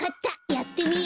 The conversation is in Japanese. やってみる。